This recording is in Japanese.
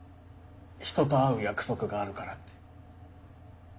人と会う約束があるからって。